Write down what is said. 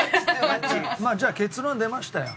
じゃあ結論出ましたよ。